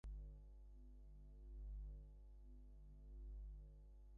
একটা অনির্বচনীয় বেদনা-ভারাক্রান্ত পরিবেশ যেন আরো গভীর করে তুলেছে সমগ্র ঘরটাকে।